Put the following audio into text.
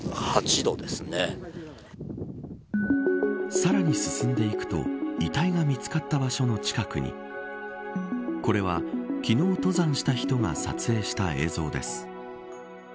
さらに進んでいくと遺体が見つかった場所の近くにこれは昨日、登山した人が撮影した映像です。